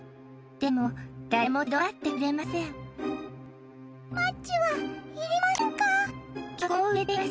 でも誰も立ち止まってくれませんマッチはいりませんか。